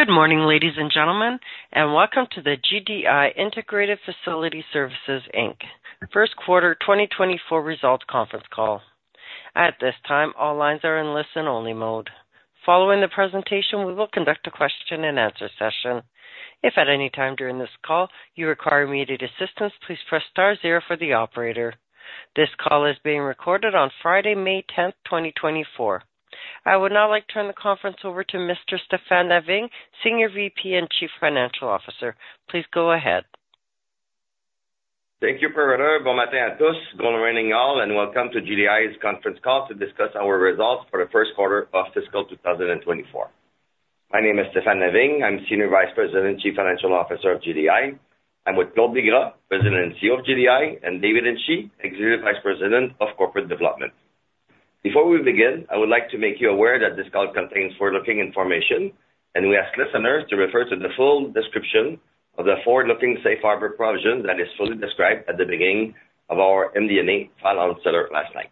Good morning, ladies and gentlemen, and welcome to the GDI Integrated Facility Services, Inc. First Quarter 2024 Results Conference Call. At this time, all lines are in listen-only mode. Following the presentation, we will conduct a question-and-answer session. If at any time during this call you require immediate assistance, please press star zero for the operator. This call is being recorded on Friday, May 10th, 2024. I would now like to turn the conference over to Mr. Stéphane Lavigne, Senior VP and Chief Financial Officer. Please go ahead. Thank you, Operator. Bon matin à tous. Good morning all, and welcome to GDI's conference call to discuss our results for the first quarter of fiscal 2024. My name is Stéphane Lavigne. I'm Senior Vice President, Chief Financial Officer of GDI. I'm with Claude Bigras, President and CEO of GDI, and David Hinchey, Executive Vice President of Corporate Development. Before we begin, I would like to make you aware that this call contains forward-looking information, and we ask listeners to refer to the full description of the forward-looking Safe Harbor provision that is fully described at the beginning of our MD&A financials last night.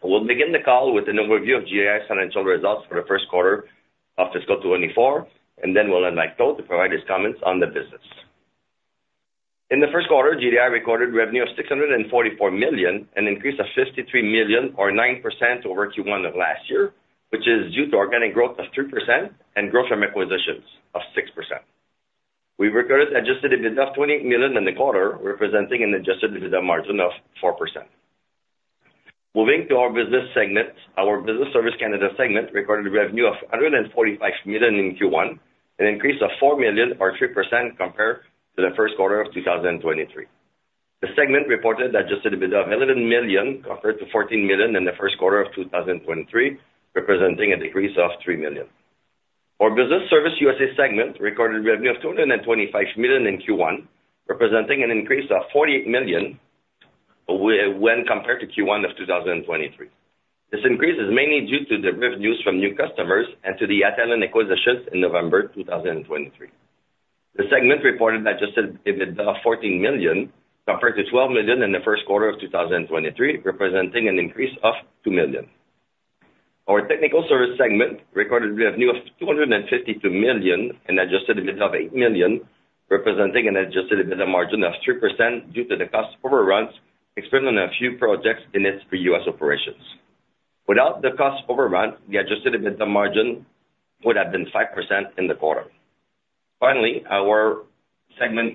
We'll begin the call with an overview of GDI's financial results for the first quarter of fiscal 2024, and then we'll invite Claude to provide his comments on the business. In the first quarter, GDI recorded revenue of 644 million and an increase of 53 million, or 9%, over Q1 of last year, which is due to organic growth of 3% and growth from acquisitions of 6%. We recorded Adjusted EBITDA of 28 million in the quarter, representing an Adjusted EBITDA margin of 4%. Moving to our business segment, our Business Services Canada segment recorded revenue of 145 million in Q1, an increase of 4 million, or 3%, compared to the first quarter of 2023. The segment reported Adjusted EBITDA of 11 million compared to 14 million in the first quarter of 2023, representing a decrease of 3 million. Our Business Services USA segment recorded revenue of 225 million in Q1, representing an increase of 48 million when compared to Q1 of 2023. This increase is mainly due to the revenues from new customers and to the Atalian acquisitions in November 2023. The segment reported Adjusted EBITDA of 14 million compared to 12 million in the first quarter of 2023, representing an increase of 2 million. Our Technical Services segment recorded revenue of 252 million and Adjusted EBITDA of 8 million, representing an Adjusted EBITDA margin of 3% due to the cost overruns experienced on a few projects in its pre-U.S. operations. Without the cost overruns, the Adjusted EBITDA margin would have been 5% in the quarter. Finally, our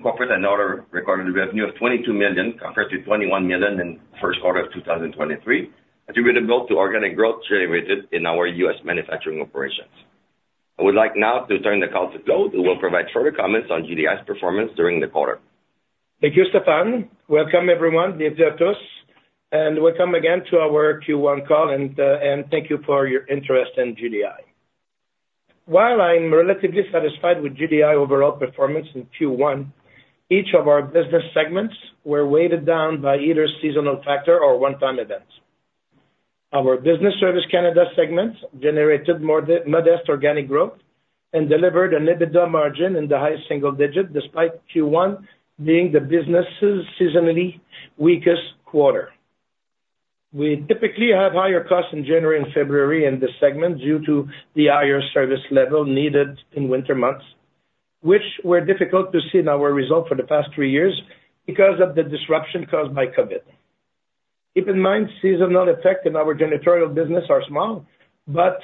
Corporate and Other segment recorded revenue of 22 million compared to 21 million in the first quarter of 2023, attributable to organic growth generated in our U.S. manufacturing operations. I would like now to turn the call to Claude, who will provide further comments on GDI's performance during the quarter. Thank you, Stéphane. Welcome, everyone. Merci à tous. Welcome again to our Q1 call, and thank you for your interest in GDI. While I'm relatively satisfied with GDI overall performance in Q1, each of our business segments were weighted down by either seasonal factor or one-time events. Our Business Services Canada segment generated modest organic growth and delivered an EBITDA margin in the high single digit, despite Q1 being the business's seasonally weakest quarter. We typically have higher costs in January and February in this segment due to the higher service level needed in winter months, which were difficult to see in our results for the past three years because of the disruption caused by COVID. Keep in mind, seasonal effects in our janitorial business are small, but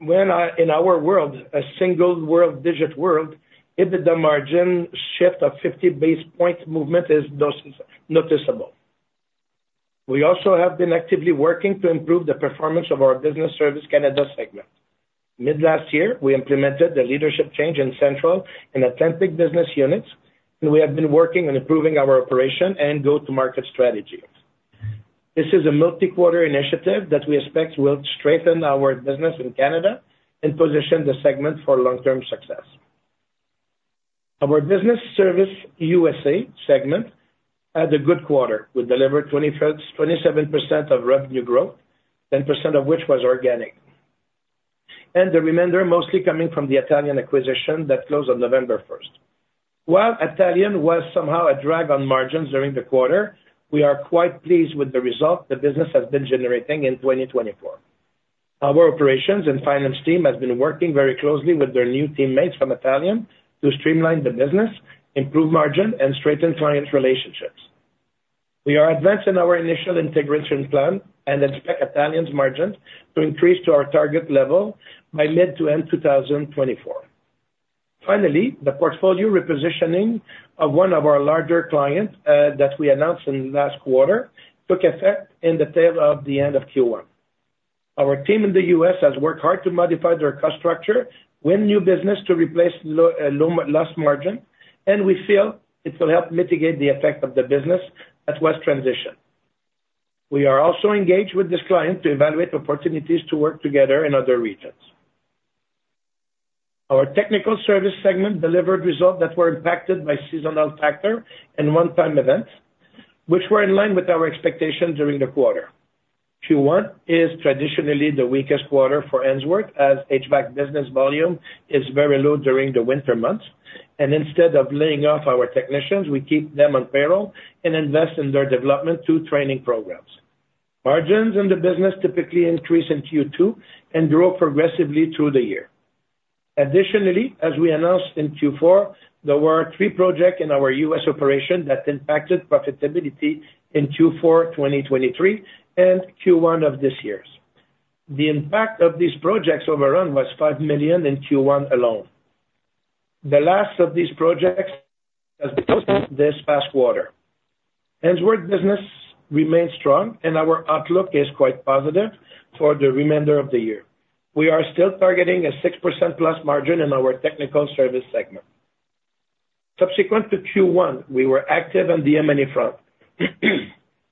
in our world, a single-digit world, EBITDA margin shift of 50 basis point movement is noticeable. We also have been actively working to improve the performance of our Business Services Canada segment. Mid-last year, we implemented the leadership change in central and Atlantic business units, and we have been working on improving our operation and go-to-market strategy. This is a multi-quarter initiative that we expect will strengthen our business in Canada and position the segment for long-term success. Our Business Services USA segment had a good quarter. We delivered 27% of revenue growth, 10% of which was organic, and the remainder mostly coming from the Atalian acquisition that closed on November 1st. While Atalian was somehow a drag on margins during the quarter, we are quite pleased with the result the business has been generating in 2024. Our operations and finance team have been working very closely with their new teammates from Atalian to streamline the business, improve margin, and strengthen client relationships. We are advanced in our initial integration plan and expect Atalian's margin to increase to our target level by mid to end 2024. Finally, the portfolio repositioning of one of our larger clients that we announced in last quarter took effect in the tail end of Q1. Our team in the U.S. has worked hard to modify their cost structure, win new business to replace low-margin business, and we feel it will help mitigate the effect of the business lost in transition. We are also engaged with this client to evaluate opportunities to work together in other regions. Our Technical Services segment delivered results that were impacted by seasonal factors and one-time events, which were in line with our expectations during the quarter. Q1 is traditionally the weakest quarter for Ainsworth, as HVAC business volume is very low during the winter months, and instead of laying off our technicians, we keep them on payroll and invest in their development through training programs. Margins in the business typically increase in Q2 and grow progressively through the year. Additionally, as we announced in Q4, there were three projects in our U.S. operation that impacted profitability in Q4 2023 and Q1 of this year. The impact of these project overruns was $5 million in Q1 alone. The last of these projects has been posted this past quarter. Ainsworth business remains strong, and our outlook is quite positive for the remainder of the year. We are still targeting a 6%+ margin in our Technical Services segment. Subsequent to Q1, we were active on the M&A front.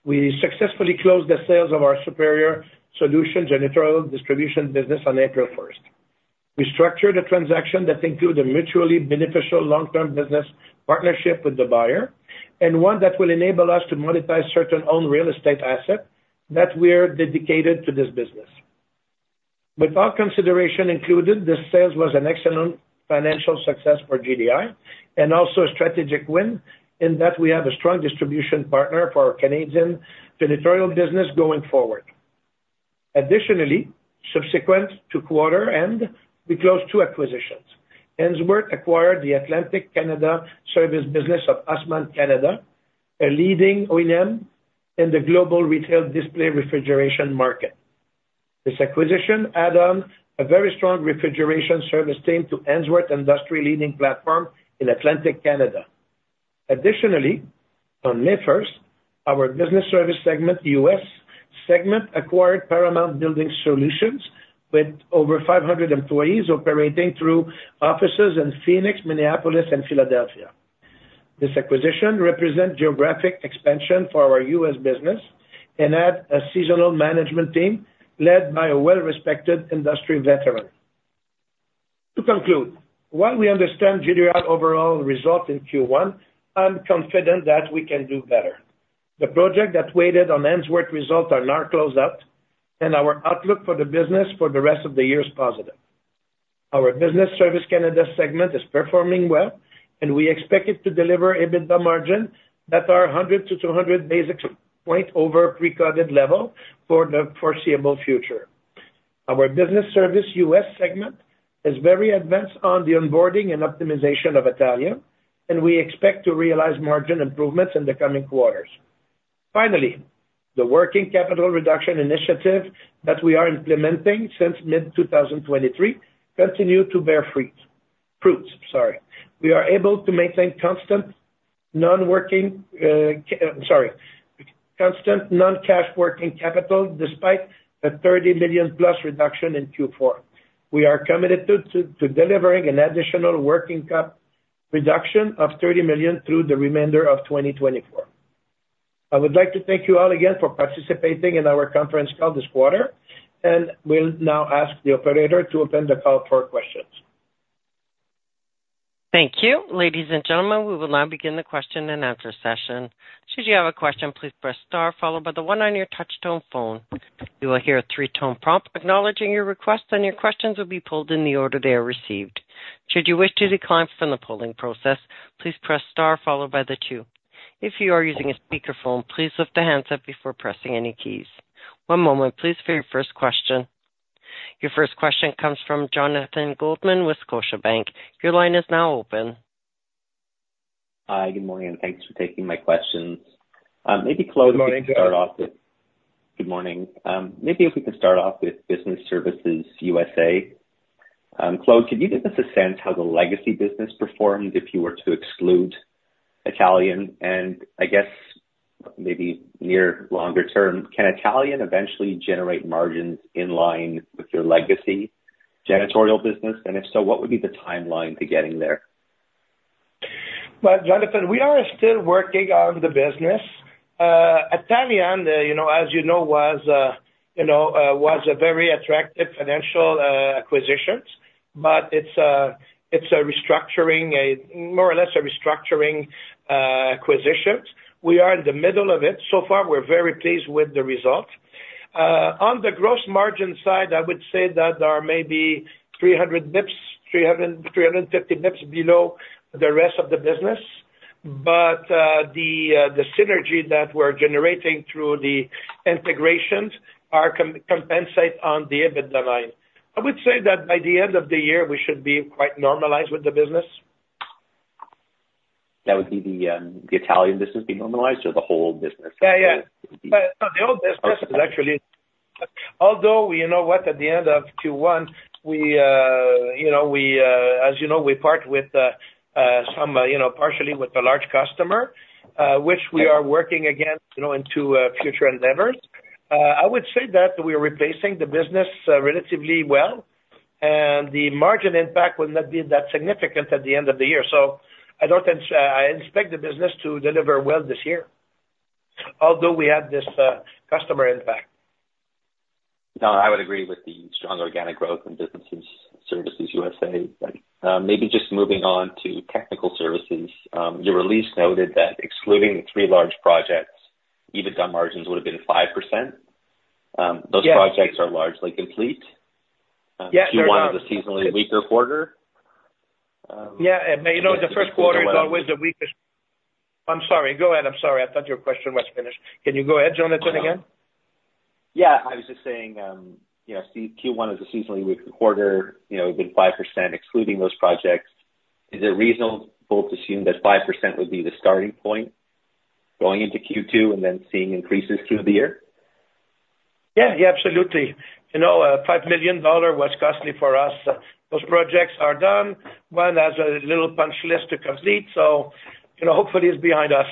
We successfully closed the sale of our Superior Solutions janitorial distribution business on April 1st. We structured a transaction that included a mutually beneficial long-term business partnership with the buyer and one that will enable us to monetize certain owned real estate assets that we are dedicated to this business. With all consideration included, this sale was an excellent financial success for GDI and also a strategic win in that we have a strong distribution partner for our Canadian janitorial business going forward. Additionally, subsequent to quarter end, we closed two acquisitions. Ainsworth acquired the Atlantic Canada service business of Hussmann Canada, a leading OEM in the global retail display refrigeration market. This acquisition added on a very strong refrigeration service team to Ainsworth's industry-leading platform in Atlantic Canada. Additionally, on May 1st, our Business Services segment, US segment, acquired Paramount Building Solutions with over 500 employees operating through offices in Phoenix, Minneapolis, and Philadelphia. This acquisition represents geographic expansion for our US business and adds a seasonal management team led by a well-respected industry veteran. To conclude, while we understand GDI's overall result in Q1, I'm confident that we can do better. The projects that weighed on Ainsworth result are now closed out, and our outlook for the business for the rest of the year is positive. Our Business Services Canada segment is performing well, and we expect it to deliver EBITDA margin that are 100-200 basis points over pre-COVID level for the foreseeable future. Our Business Service US segment is very advanced on the onboarding and optimization of Atalian, and we expect to realize margin improvements in the coming quarters. Finally, the working capital reduction initiative that we are implementing since mid-2023 continues to bear fruits. We are able to maintain constant non-cash working capital despite a 30 million-plus reduction in Q4. We are committed to delivering an additional working cap reduction of 30 million through the remainder of 2024. I would like to thank you all again for participating in our conference call this quarter, and we'll now ask the operator to open the call for questions. Thank you. Ladies and gentlemen, we will now begin the question-and-answer session. Should you have a question, please press star followed by the one on your touch-tone phone. You will hear a three-tone prompt acknowledging your request, and your questions will be pulled in the order they are received. Should you wish to decline from the polling process, please press star followed by the two. If you are using a speakerphone, please lift the handset up before pressing any keys. One moment, please, for your first question. Your first question comes from Jonathan Goldman, Scotiabank. Your line is now open. Hi. Good morning, and thanks for taking my questions. Maybe Claude, if we could start off with good morning. Maybe if we could start off with Business Services USA. Claude, could you give us a sense how the legacy business performed if you were to exclude Atalian? And I guess maybe near longer term, can Atalian eventually generate margins in line with your legacy janitorial business? And if so, what would be the timeline to getting there? Well, Jonathan, we are still working on the business. Atalian, as you know, was a very attractive financial acquisition, but it's a restructuring more or less a restructuring acquisition. We are in the middle of it. So far, we're very pleased with the result. On the gross margin side, I would say that there are maybe 300 basis points, 350 basis points below the rest of the business, but the synergy that we're generating through the integrations compensates on the EBITDA line. I would say that by the end of the year, we should be quite normalized with the business. That would be the Atalian business be normalized or the whole business? Yeah, yeah. No, the old business is actually, although, you know what, at the end of Q1, as you know, we part with some partially with a large customer, which we are working against into future endeavors. I would say that we are replacing the business relatively well, and the margin impact will not be that significant at the end of the year. So I expect the business to deliver well this year, although we had this customer impact. No, I would agree with the strong organic growth in Business Services USA. Maybe just moving on to Technical Services, your release noted that excluding the three large projects, EBITDA margins would have been 5%. Those projects are largely complete in Q1 of the seasonally weaker quarter. Yeah, but the first quarter is always the weakest. I'm sorry. Go ahead. I'm sorry. I thought your question was finished. Can you go ahead, Jonathan, again? Yeah. I was just saying Q1 is a seasonally weaker quarter. It's been 5% excluding those projects. Is it reasonable to assume that 5% would be the starting point going into Q2 and then seeing increases through the year? Yeah, yeah, absolutely. 5 million dollars was costly for us. Those projects are done. One has a little punch list to complete, so hopefully, it's behind us.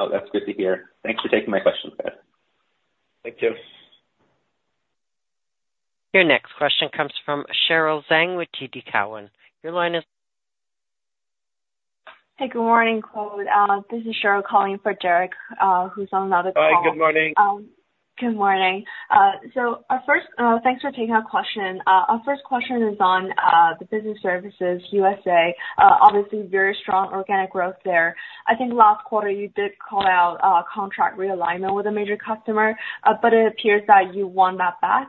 Oh, that's good to hear. Thanks for taking my question, Fred. Thank you. Your next question comes from Cheryl Zhang with TD Cowen. Your line is. Hey. Good morning, Claude. This is Cheryl calling for Derek, who's on another call. Hi. Good morning. Good morning. Thanks for taking our question. Our first question is on the Business Services USA. Obviously, very strong organic growth there. I think last quarter, you did call out contract realignment with a major customer, but it appears that you won that back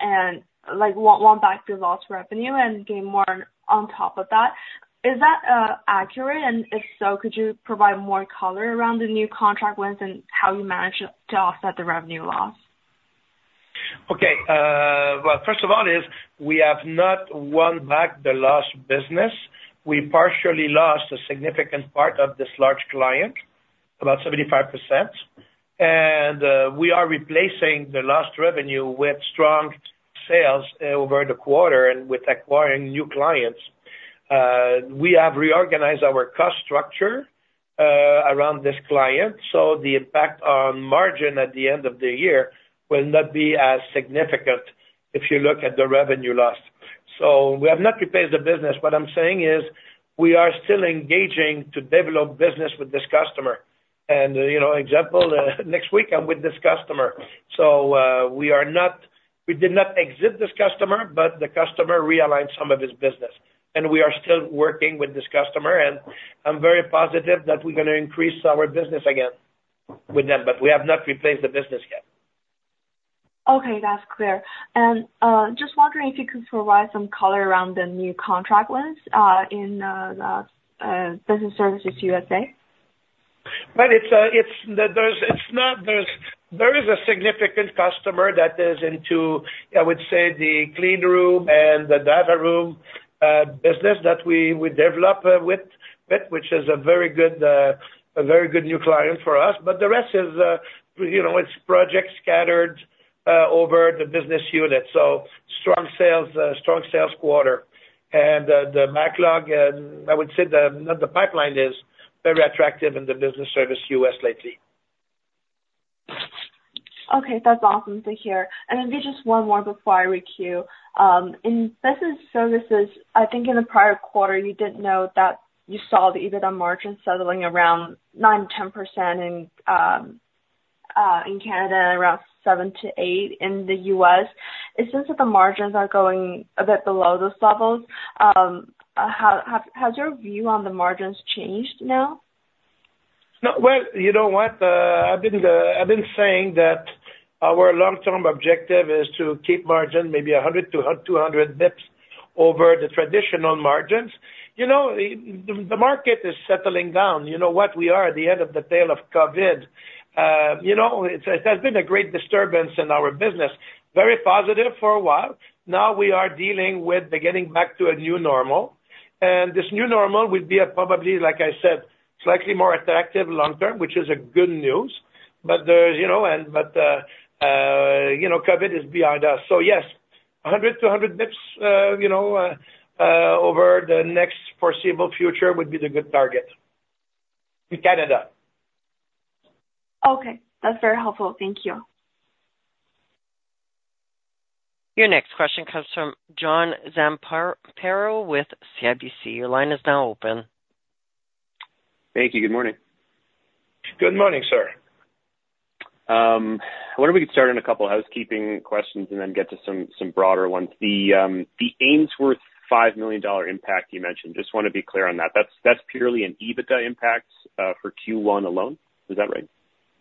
and won back the lost revenue and gained more on top of that. Is that accurate? If so, could you provide more color around the new contract wins and how you managed to offset the revenue loss? Okay. Well, first of all, we have not won back the lost business. We partially lost a significant part of this large client, about 75%, and we are replacing the lost revenue with strong sales over the quarter and with acquiring new clients. We have reorganized our cost structure around this client, so the impact on margin at the end of the year will not be as significant if you look at the revenue loss. So we have not replaced the business. What I'm saying is we are still engaging to develop business with this customer. And example, next week, I'm with this customer. So we did not exit this customer, but the customer realigned some of his business, and we are still working with this customer. And I'm very positive that we're going to increase our business again with them, but we have not replaced the business yet. Okay. That's clear. And just wondering if you could provide some color around the new contract wins in Business Services USA. Well, there is a significant customer that is into, I would say, the clean room and the driver room business that we develop with, which is a very good new client for us. But the rest is projects scattered over the business unit. So strong sales quarter. And the backlog, I would say the pipeline is very attractive in the Business Services US lately. Okay. That's awesome to hear. Maybe just one more before I re-queue. In Business Services, I think in the prior quarter, you didn't note that you saw the EBITDA margin settling around 9%-10% in Canada and around 7%-8% in the US. It seems that the margins are going a bit below those levels. Has your view on the margins changed now? Well, you know what? I've been saying that our long-term objective is to keep margin maybe 100-200 bips over the traditional margins. The market is settling down. You know what? We are at the end of the tail of COVID. It has been a great disturbance in our business, very positive for a while. Now, we are dealing with getting back to a new normal, and this new normal would be probably, like I said, slightly more attractive long-term, which is good news. But there's but COVID is behind us. So yes, 100-100 bips over the next foreseeable future would be the good target in Canada. Okay. That's very helpful. Thank you. Your next question comes from John Zamparo with CIBC. Your line is now open. Thank you. Good morning. Good morning, sir. Why don't we get started on a couple of housekeeping questions and then get to some broader ones? The Ainsworth 5 million dollar impact you mentioned, just want to be clear on that. That's purely an EBITDA impact for Q1 alone. Is that right?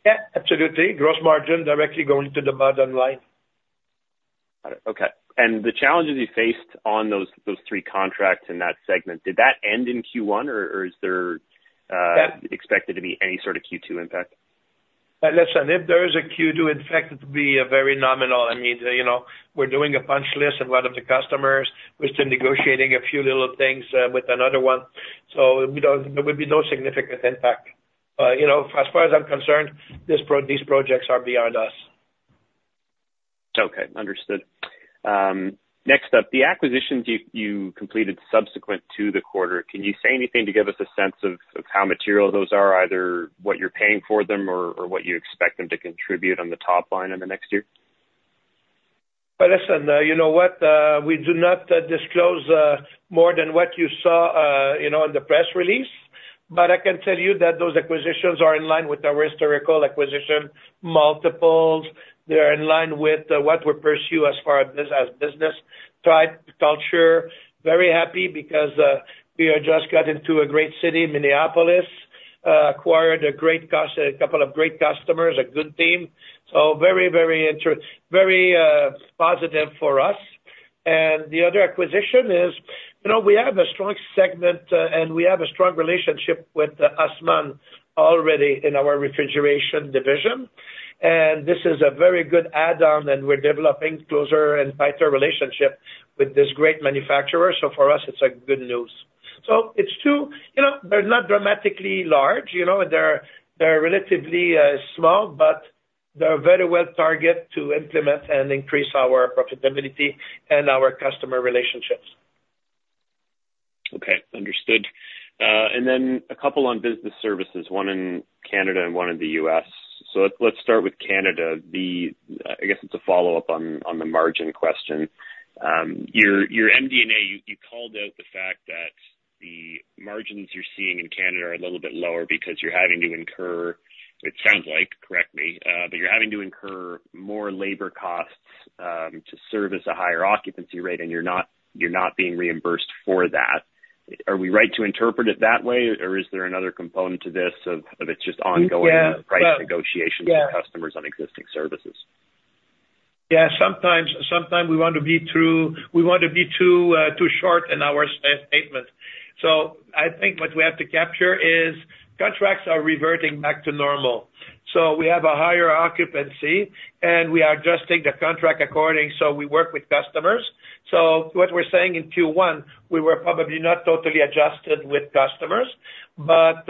Yeah, absolutely. Gross margin directly going to the bottom line. Got it. Okay. And the challenges you faced on those three contracts in that segment, did that end in Q1, or is there expected to be any sort of Q2 impact? Listen, if there is a Q2 impact, it would be very nominal. I mean, we're doing a punch list in one of the customers. We're still negotiating a few little things with another one. So there would be no significant impact. As far as I'm concerned, these projects are beyond us. Okay. Understood. Next up, the acquisitions you completed subsequent to the quarter, can you say anything to give us a sense of how material those are, either what you're paying for them or what you expect them to contribute on the top line in the next year? Well, listen, you know what? We do not disclose more than what you saw in the press release, but I can tell you that those acquisitions are in line with our historical acquisition multiples. They are in line with what we pursue as far as business, tried culture. Very happy because we have just got into a great city, Minneapolis, acquired a couple of great customers, a good team. So very, very positive for us. And the other acquisition is we have a strong segment, and we have a strong relationship with Hussmann already in our refrigeration division. And this is a very good add-on, and we're developing closer and tighter relationship with this great manufacturer. So for us, it's good news. So it's two they're not dramatically large. They're relatively small, but they're a very well-targeted to implement and increase our profitability and our customer relationships. Okay. Understood. And then a couple on Business Services, one in Canada and one in the US. So let's start with Canada. I guess it's a follow-up on the margin question. Your MD&A, you called out the fact that the margins you're seeing in Canada are a little bit lower because you're having to incur it sounds like, correct me, but you're having to incur more labor costs to service a higher occupancy rate, and you're not being reimbursed for that. Are we right to interpret it that way, or is there another component to this of it's just ongoing price negotiations with customers on existing services? Yeah. Sometimes we want to be too short in our statement. So I think what we have to capture is contracts are reverting back to normal. So we have a higher occupancy, and we are adjusting the contract accordingly. So we work with customers. So what we're saying in Q1, we were probably not totally adjusted with customers. But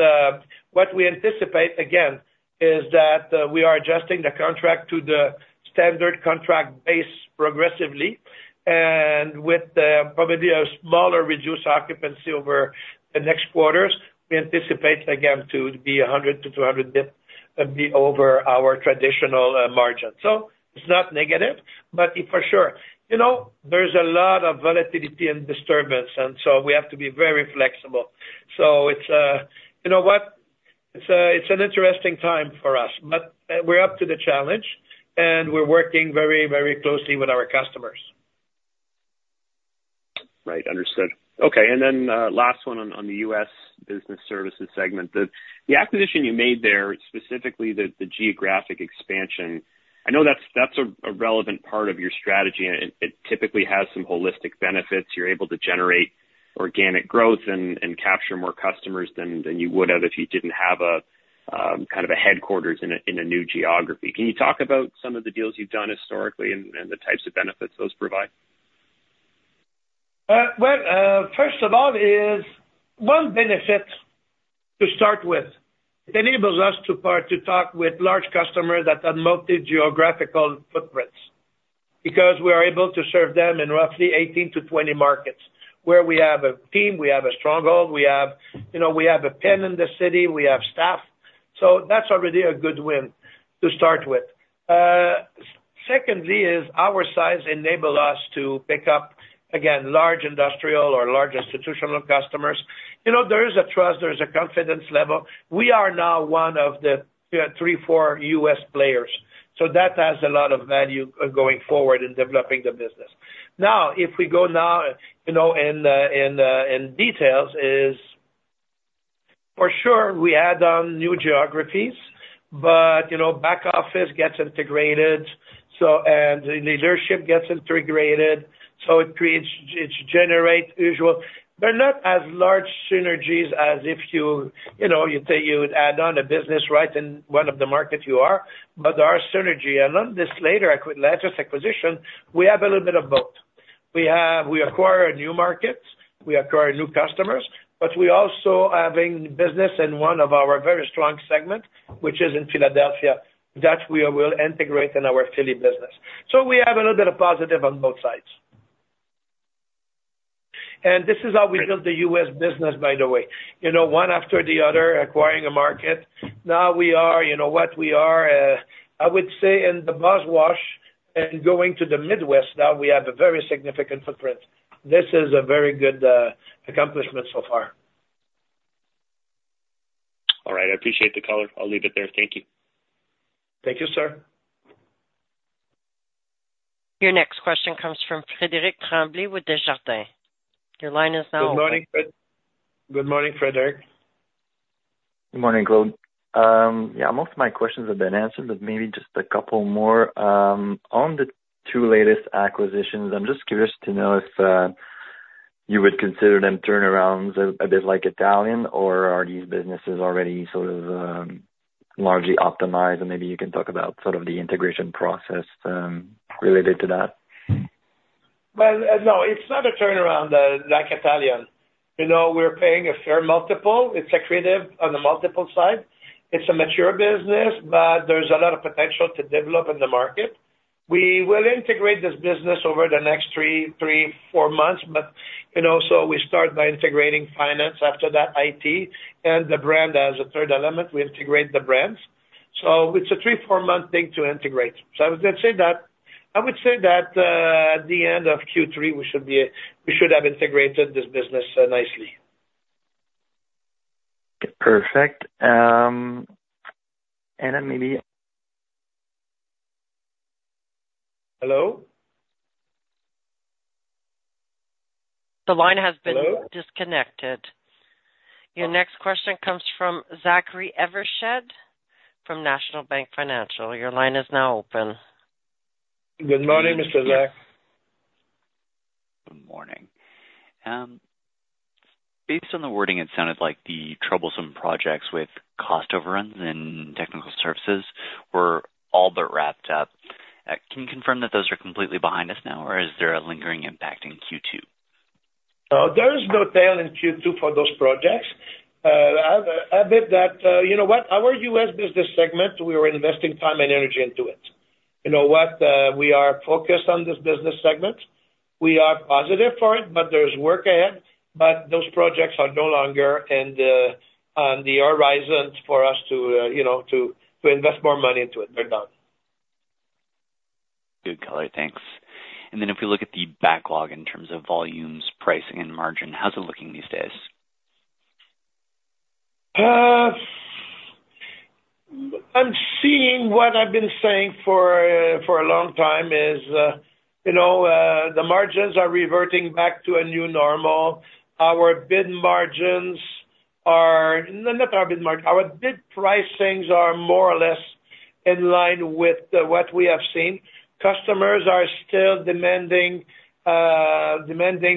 what we anticipate, again, is that we are adjusting the contract to the standard contract base progressively. And with probably a smaller reduced occupancy over the next quarters, we anticipate, again, to be 100-200 bips over our traditional margin. So it's not negative, but for sure, there's a lot of volatility and disturbance, and so we have to be very flexible. So you know what? It's an interesting time for us, but we're up to the challenge, and we're working very, very closely with our customers. Right. Understood. Okay. And then last one on the U.S. Business Services segment, the acquisition you made there, specifically the geographic expansion, I know that's a relevant part of your strategy. It typically has some holistic benefits. You're able to generate organic growth and capture more customers than you would have if you didn't have kind of a headquarters in a new geography. Can you talk about some of the deals you've done historically and the types of benefits those provide? Well, first of all, one benefit to start with, it enables us to talk with large customers that have multi-geographical footprints because we are able to serve them in roughly 18-20 markets where we have a team. We have a stronghold. We have a presence in the city. We have staff. So that's already a good win to start with. Secondly is our size enables us to pick up, again, large industrial or large institutional customers. There is a trust. There is a confidence level. We are now one of the three or four U.S. players. So that has a lot of value going forward in developing the business. Now, if we go into details, for sure, we add on new geographies, but back office gets integrated, and leadership gets integrated. So it generates, usually, they're not as large synergies as if you would add on a business right in one of the markets you are, but there are synergies. And on this latest acquisition, we have a little bit of both. We acquire new markets. We acquire new customers, but we're also having business in one of our very strong segments, which is in Philadelphia, that we will integrate in our Philly business. So we have a little bit of positive on both sides. And this is how we built the US business, by the way, one after the other, acquiring a market. Now, we are you know what? We are, I would say, in the Boswash and going to the Midwest. Now, we have a very significant footprint. This is a very good accomplishment so far. All right. I appreciate the color. I'll leave it there. Thank you. Thank you, sir. Your next question comes from Frédéric Tremblay with Desjardins. Your line is now open. Good morning, Fred. Good morning, Frédéric. Good morning, Claude. Yeah, most of my questions have been answered, but maybe just a couple more. On the two latest acquisitions, I'm just curious to know if you would consider them turnarounds a bit like Atalian, or are these businesses already sort of largely optimized? And maybe you can talk about sort of the integration process related to that. Well, no, it's not a turnaround like Atalian. We're paying a fair multiple. It's accretive on the multiple side. It's a mature business, but there's a lot of potential to develop in the market. We will integrate this business over the next 3-4 months. So we start by integrating finance after that, IT. And the brand, as a third element, we integrate the brands. So it's a 3-4-month thing to integrate. So I would say that I would say that at the end of Q3, we should have integrated this business nicely. Perfect. And then maybe. Hello? The line has been disconnected. Your next question comes from Zachary Evershed from National Bank Financial. Your line is now open. Good morning, Mr. Zach. Good morning. Based on the wording, it sounded like the troublesome projects with cost overruns in technical services were all but wrapped up. Can you confirm that those are completely behind us now, or is there a lingering impact in Q2? There is no tail in Q2 for those projects. A bit that you know what? Our U.S. business segment, we were investing time and energy into it. You know what? We are focused on this business segment. We are positive for it, but there's work ahead. But those projects are no longer on the horizon for us to invest more money into it. They're done. Good color. Thanks. And then if we look at the backlog in terms of volumes, pricing, and margin, how's it looking these days? I'm seeing what I've been saying for a long time is the margins are reverting back to a new normal. Our bid margins are not our bid margins. Our bid pricings are more or less in line with what we have seen. Customers are still demanding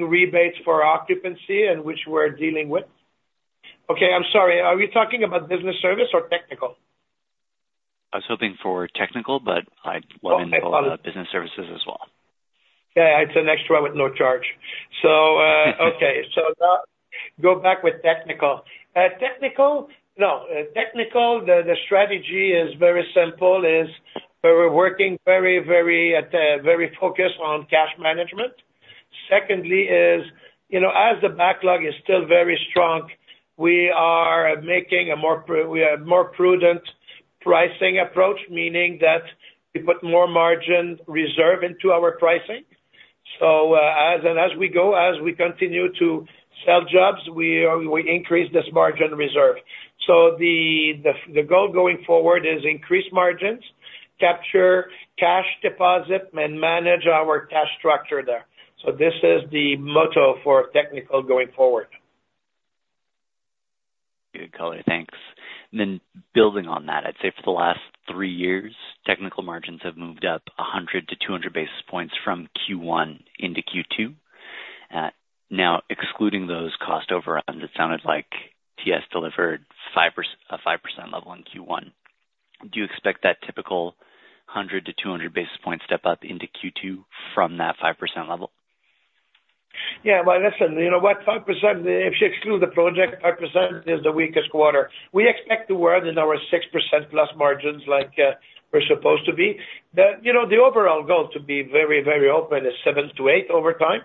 rebates for occupancy, which we're dealing with. Okay. I'm sorry. Are you talking about business service or technical? I was hoping for technical, but I'd love to involve business services as well. Okay. It's an extra with no charge. So okay. So now go back with technical. Technical, no. Technical, the strategy is very simple. We're working very, very focused on cash management. Secondly is, as the backlog is still very strong, we are making a more we have a more prudent pricing approach, meaning that we put more margin reserve into our pricing. And as we go, as we continue to sell jobs, we increase this margin reserve. So the goal going forward is increase margins, capture cash deposit, and manage our cash structure there. So this is the motto for technical going forward. Good color. Thanks. And then building on that, I'd say for the last three years, technical margins have moved up 100-200 basis points from Q1 into Q2. Now, excluding those cost overruns, it sounded like TS delivered a 5% level in Q1. Do you expect that typical 100-200 basis points step up into Q2 from that 5% level? Yeah. Well, listen, you know what? 5%, if you exclude the project, 5% is the weakest quarter. We expect to work in our 6%+ margins like we're supposed to be. The overall goal to be very, very open is 7%-8% over time.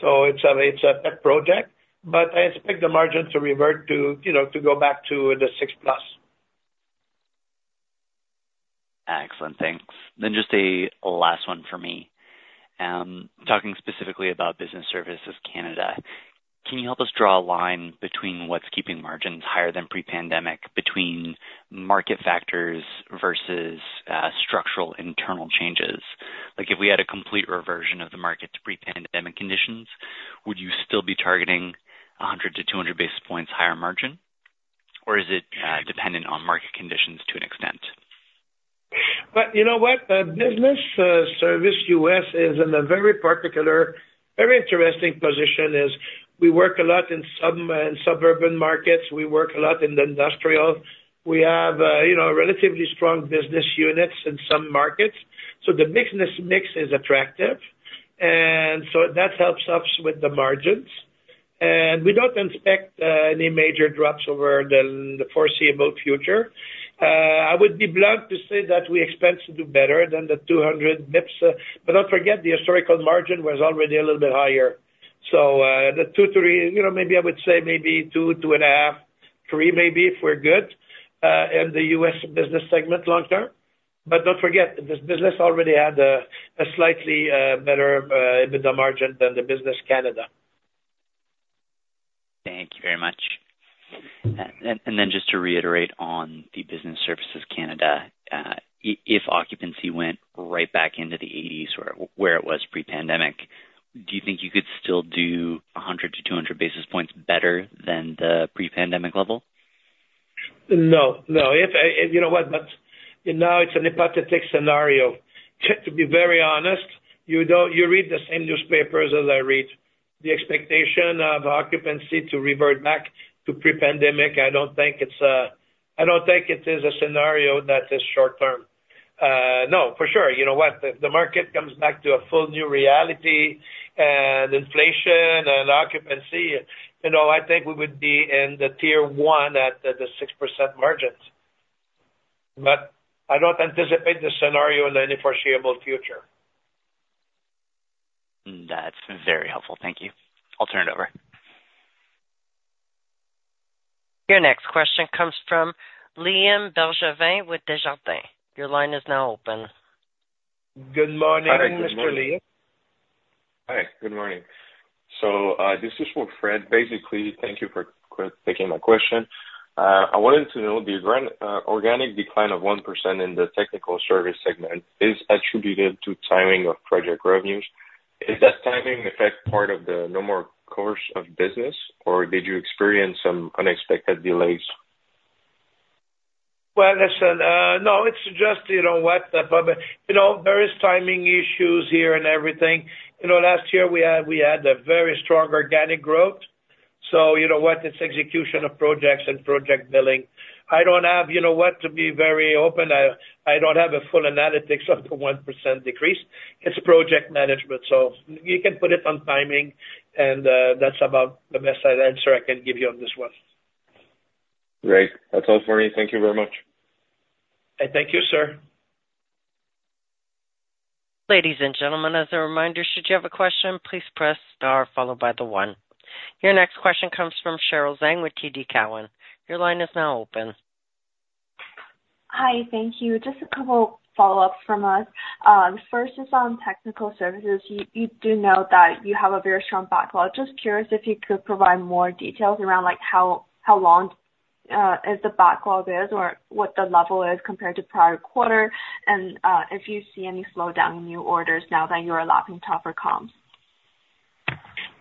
So it's a pet project, but I expect the margin to revert to go back to the 6+. Excellent. Thanks. Then just a last one for me. Talking specifically about Business Services Canada, can you help us draw a line between what's keeping margins higher than pre-pandemic, between market factors versus structural internal changes? If we had a complete reversion of the market to pre-pandemic conditions, would you still be targeting 100-200 basis points higher margin, or is it dependent on market conditions to an extent? But you know what? Business Service USA is in a very particular, very interesting position. We work a lot in suburban markets. We work a lot in the industrial. We have relatively strong business units in some markets. So the business mix is attractive, and so that helps us with the margins. And we don't expect any major drops over the foreseeable future. I would be blunt to say that we expect to do better than the 200 bips. But don't forget, the historical margin was already a little bit higher. So the 2-3 maybe I would say maybe 2, 2.5, 3 maybe if we're good in the USA business segment long term. But don't forget, this business already had a slightly better margin than the Business Canada. Thank you very much. And then just to reiterate on the Business Services Canada, if occupancy went right back into the 80s where it was pre-pandemic, do you think you could still do 100-200 basis points better than the pre-pandemic level? No. No. You know what? Now, it's a hypothetical scenario. To be very honest, you read the same newspapers as I read. The expectation of occupancy to revert back to pre-pandemic, I don't think it is a scenario that is short-term. No, for sure. You know what? If the market comes back to a full new reality and inflation and occupancy, I think we would be in the tier one at the 6% margins. But I don't anticipate the scenario in the foreseeable future. That's very helpful. Thank you. I'll turn it over. Your next question comes from Liam Begin with Desjardins. Your line is now open. Good morning, Mr. Liam. Hi. Good morning. So this is for Fred. Basically, thank you for taking my question. I wanted to know, the organic decline of 1% in the technical service segment is attributed to timing of project revenues. Is that timing in fact part of the normal course of business, or did you experience some unexpected delays? Well, listen, no. It's just you know what? There are timing issues here and everything. Last year, we had a very strong organic growth. So you know what? It's execution of projects and project billing. I don't have you know what? To be very open, I don't have a full analytics of the 1% decrease. It's project management. So you can put it on timing, and that's about the best answer I can give you on this one. Great. That's all for me. Thank you very much. Thank you, sir. Ladies and gentlemen, as a reminder, should you have a question, please press star followed by the one. Your next question comes from Cheryl Zhang with TD Cowen. Your line is now open. Hi. Thank you. Just a couple of follow-ups from us. First is on technical services. You do note that you have a very strong backlog. Just curious if you could provide more details around how long the backlog is or what the level is compared to prior quarter and if you see any slowdown in new orders now that you are lapping the prior comps?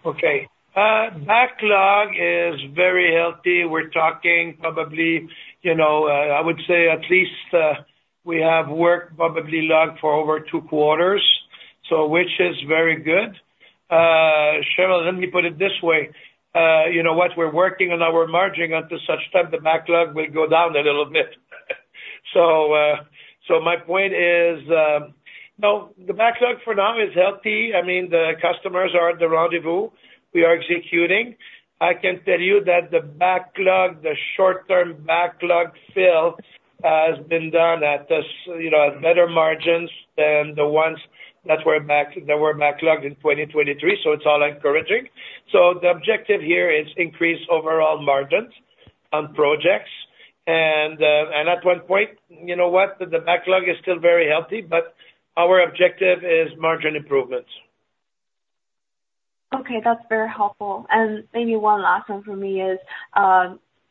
Okay. Backlog is very healthy. We're talking probably I would say at least we have work probably logged for over 2 quarters, which is very good. Cheryl, let me put it this way. You know what? We're working on our margin until such time the backlog will go down a little bit. So my point is no, the backlog for now is healthy. I mean, the customers are at the rendezvous. We are executing. I can tell you that the short-term backlog fill has been done at better margins than the ones that were backlogged in 2023. So it's all encouraging. So the objective here is increase overall margins on projects. And at one point, you know what? The backlog is still very healthy, but our objective is margin improvement. Okay. That's very helpful. And maybe one last one for me is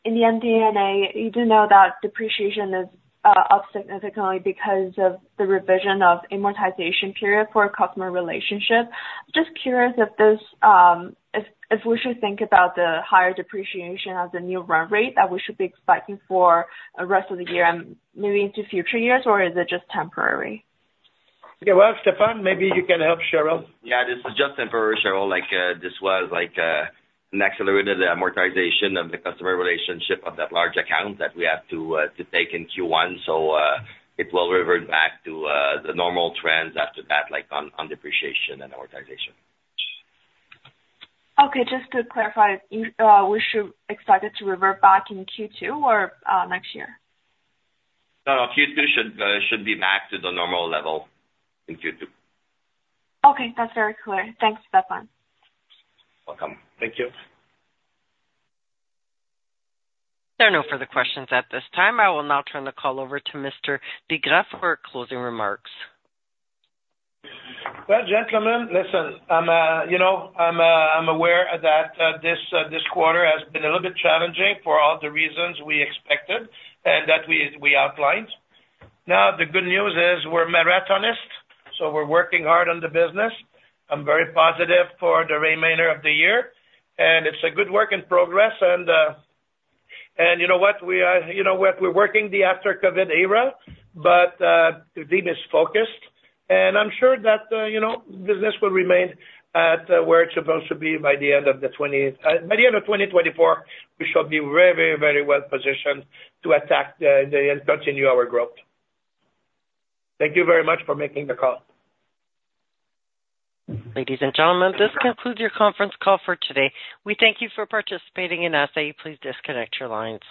in the MD&A, you do know that depreciation is up significantly because of the revision of amortization period for customer relationship. Just curious if we should think about the higher depreciation as a new run rate that we should be expecting for the rest of the year and maybe into future years, or is it just temporary? Yeah. Well, Stéphane, maybe you can help Cheryl. Yeah. This is just temporary, Cheryl. This was an accelerated amortization of the customer relationship of that large account that we had to take in Q1. So it will revert back to the normal trends after that on depreciation and amortization. Okay. Just to clarify, we should expect it to revert back in Q2 or next year? No. No. Q2 should be back to the normal level in Q2. Okay. That's very clear. Thanks, Stéphane. Welcome. Thank you. There are no further questions at this time. I will now turn the call over to Mr. Bigras for closing remarks. Well, gentlemen, listen, I'm aware that this quarter has been a little bit challenging for all the reasons we expected and that we outlined. Now, the good news is we're marathonist. So we're working hard on the business. I'm very positive for the remainder of the year, and it's a good work in progress. And you know what? We're working the after-COVID era, but the team is focused. And I'm sure that business will remain at where it's supposed to be by the end of 2024. We should be very, very well positioned to attack and continue our growth. Thank you very much for making the call. Ladies and gentlemen, this concludes your conference call for today. We thank you for participating with us. Please disconnect your lines.